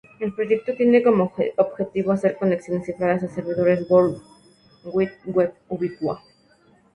El proyecto tiene como objetivo hacer conexiones cifradas a servidores World Wide Web ubicua.